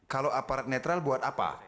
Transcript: kalau aparat netral buat apa